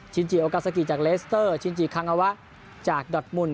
จิโอกาซากิจากเลสเตอร์ชินจิคังอาวะจากดอทมุน